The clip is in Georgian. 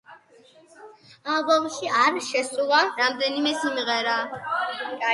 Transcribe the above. ალბომში არ შესულა რამდენიმე სიმღერა.